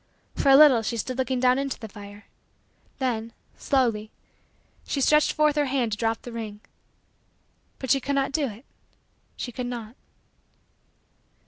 For a little she stood looking down into the fire. Then, slowly, she stretched forth her hand to drop the ring. But she could not do it. She could not.